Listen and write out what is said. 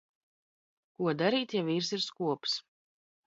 Ko darīt, ja vīrs ir skops?